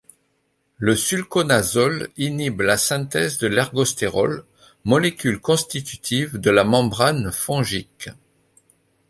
Le sulconazole inhibe la synthèse de l'ergostérol, molécule constitutive de la membrane fongique.